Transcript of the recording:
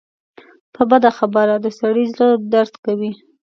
په بده خبره د سړي زړۀ دړد کوي